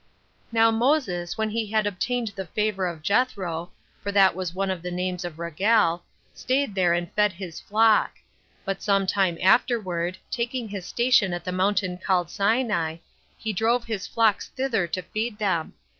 1. Now Moses, when he had obtained the favor of Jethro, for that was one of the names of Raguel, staid there and fed his flock; but some time afterward, taking his station at the mountain called Sinai, he drove his flocks thither to feed them.